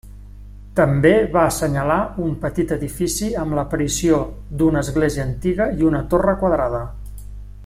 També va assenyalar un petit edifici amb l'aparició d'una església antiga i una torre quadrada.